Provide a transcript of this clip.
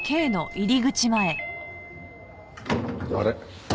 あれ？